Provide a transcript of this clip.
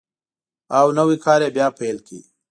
او نوی کار یې بیا پیل کړ.